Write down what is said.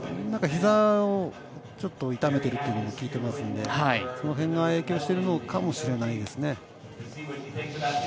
ひざをちょっと痛めているというふうに聞いていますので、その辺が影響してるのかもしれないですね。